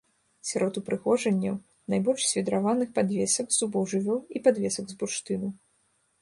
Сярод упрыгожанняў найбольш свідраваных падвесак з зубоў жывёл і падвесак з бурштыну.